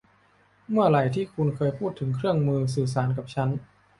เมื่อไหร่ที่คุณเคยพูดถึงเครื่องมือสื่อสารกับฉัน